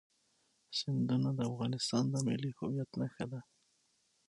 سیندونه د افغانستان د ملي هویت نښه ده.